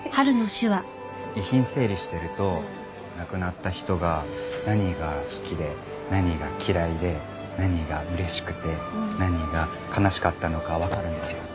遺品整理してると亡くなった人が何が好きで何が嫌いで何が嬉しくて何が悲しかったのかわかるんですよ。